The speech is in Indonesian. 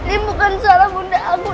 ini bukan salah bunda aku